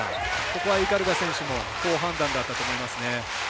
ここは鵤選手も好判断だったと思いますね。